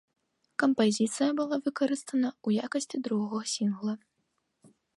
Кампазіцыя была выкарыстана ў якасці другога сінгла.